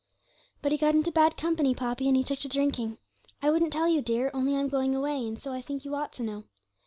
'But he got into bad company, Poppy, and he took to drinking. I wouldn't tell you, dear, only I'm going away, and so I think you ought to know.